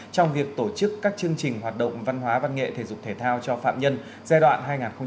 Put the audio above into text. trong việc tổ chức các chương trình hoạt động văn hóa văn nghệ thể dục thể thao cho phạm nhân giai đoạn hai nghìn một mươi tám hai nghìn hai mươi